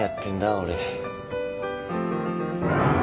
俺。